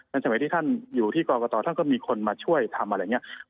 สมัยที่ท่านอยู่ที่กรกตท่านก็มีคนมาช่วยทำอะไรอย่างนี้